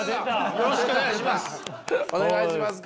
よろしくお願いします。